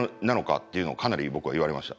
っていうのをかなり僕は言われました。